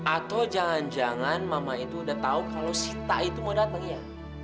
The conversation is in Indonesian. atau jangan jangan mama itu udah tahu kalau sita itu mau datang ya